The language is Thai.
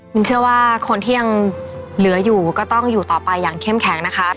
นเชื่อว่าคนที่ยังเหลืออยู่ก็ต้องอยู่ต่อไปอย่างเข้มแข็งนะคะ